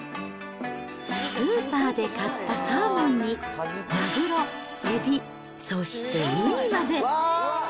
スーパーで買ったサーモンに、マグロ、エビ、そしてウニまで。